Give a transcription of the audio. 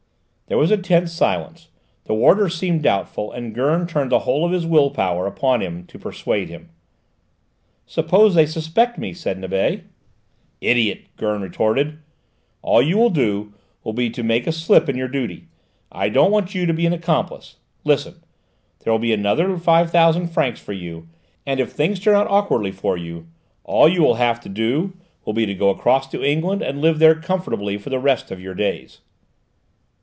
There was a tense silence; the warder seemed doubtful, and Gurn turned the whole of his will power upon him to persuade him. "Suppose they suspect me?" said Nibet. "Idiot!" Gurn retorted; "all you will do will be to make a slip in your duty: I don't want you to be an accomplice. Listen: there will be another five thousand francs for you, and if things turn out awkwardly for you, all you will have to do will be to go across to England, and live there comfortably for the rest of your days."